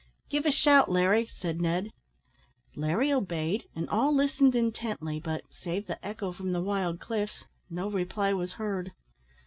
"Give a shout, Larry," said Ned. Larry obeyed, and all listened intently, but, save the echo from the wild cliffs, no reply was heard.